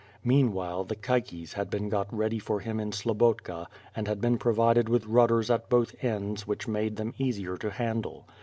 Mean while, the caiques had been got ready for him in Slobotka and had been provided with rudders at both ends which made them easier to handle.